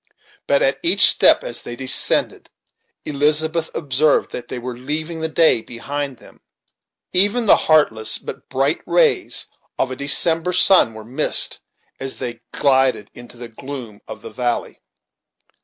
But at each step as they descended, Elizabeth observed that they were leaving the day behind them. Even the heartless but bright rays of a December sun were missed as they glided into the cold gloom of the valley.